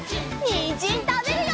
にんじんたべるよ！